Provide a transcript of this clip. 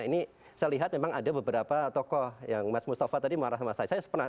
ini saya lihat memang ada beberapa tokoh yang mas mustafa tadi marah sama saya pernah